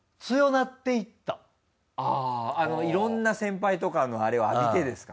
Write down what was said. あぁいろんな先輩とかのあれを浴びてですか？